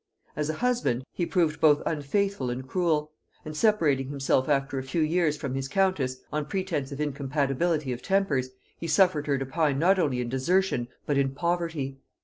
As a husband, he proved both unfaithful and cruel; and separating himself after a few years from his countess, on pretence of incompatibility of tempers, he suffered her to pine not only in desertion, but in poverty.